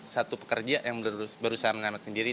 satu pekerja yang berusaha menyelamatkan diri